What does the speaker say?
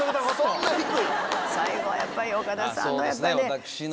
最後はやっぱり岡田さんの。